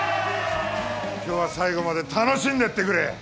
今日は最後まで楽しんでってくれ。